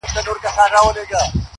o ادم خان دي په خيال گوروان درځي٫